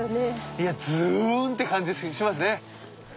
いやずんって感じしますね。